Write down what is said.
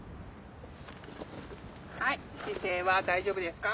姿勢は大丈夫ですか？